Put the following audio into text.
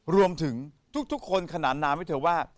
รวมถึงทุกคนขนานนามให้เธอว่า